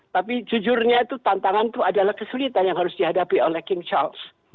tapi jujurnya itu tantangan itu adalah kesulitan yang harus dihadapi oleh king charles